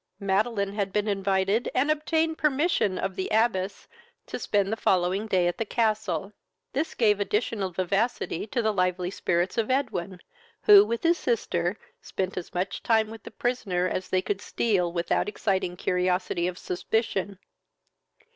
Madeline had been invited, and obtained permission of the abbess to spend the following day at the castle. This gave additional vivacity to the lively spirits of Edwin, who, with his sister, spent as much time with the prisoner as they could steal, without exciting curiosity of suspicion.